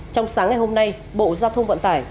trong sáng ngày hôm nay bộ giao thông vận tải